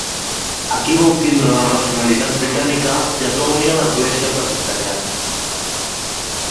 Aquí va obtindre la nacionalitat britànica i es va unir a l'església presbiteriana.